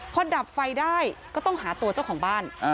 พอดับไฟได้ก็ต้องหาตัวเจ้าของบ้าน